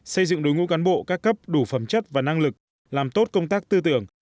xây dựng đối ngũ cán bộ các cấp đủ phẩm chất và năng lực làm tốt công tác tư tưởng